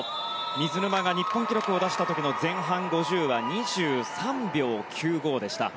水沼が日本記録を出した時の前半５０は２３秒９５でした。